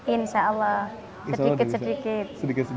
insya allah sedikit sedikit